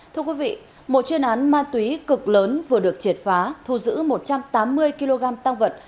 thưa quý vị một chuyên án ma túy cực lớn vừa được triệt phá thu giữ một trăm tám mươi kg tăng vật